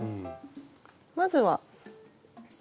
まずは。